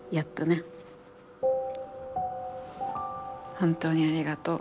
本当にありがとう。